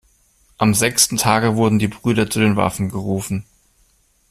Am sechsten Tage wurden die Brüder zu den Waffen gerufen.